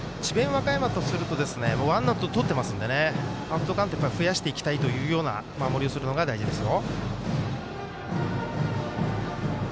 和歌山とするとワンアウト、とってますのでアウトカウントを増やしていきたいという守りをするのが大事ですよ。